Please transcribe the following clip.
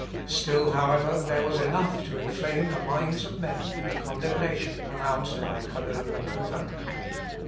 Still, however, there was enough to inflame the minds of men in the condemnation pronounced by Cologne and Louvain.